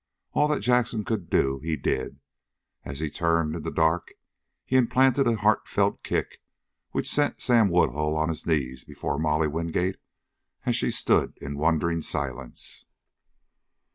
All that Jackson could do he did. As he turned in the dark he implanted a heartfelt kick which sent Sam Woodhull on his knees before Molly Wingate as she stood in wondering silence.